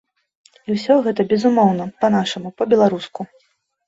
І ўсё гэта, безумоўна, па-нашаму, па-беларуску!